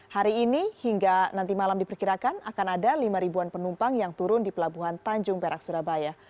hari ini hingga nanti malam diperkirakan akan ada lima ribuan penumpang yang turun di pelabuhan tanjung perak surabaya